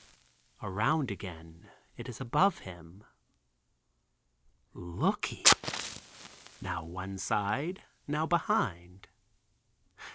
Around again, it is above him. "Looky," now one side, now behind.